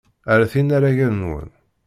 Ret inaragen-nwen.